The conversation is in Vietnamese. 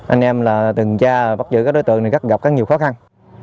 anh em là từng tra bắt giữ các đối tượng này gặp rất nhiều khó khăn